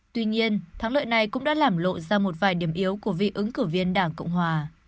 tuy nhiên thắng lợi này cũng đã làm lộ ra một vài điểm yếu của vị ứng cử viên đảng cộng hòa